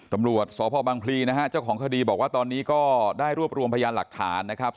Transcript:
ตำรวจสพบังพลีนะฮะเจ้าของคดีบอกว่าตอนนี้ก็ได้รวบรวมพยานหลักฐานนะครับ